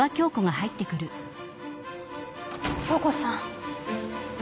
恭子さん。